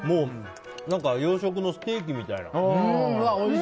洋食のステーキみたい。